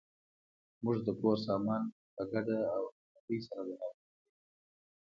موږ د کور سامان په ګډه او همغږۍ سره برابر کړ.